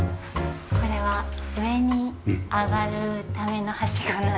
これは上に上がるためのはしごなんです。